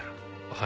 はい。